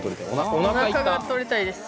おなかが撮りたいです。